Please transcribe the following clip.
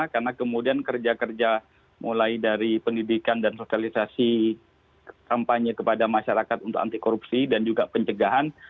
karena kemudian kerja kerja mulai dari pendidikan dan sosialisasi kampanye kepada masyarakat untuk anti korupsi dan juga pencegahan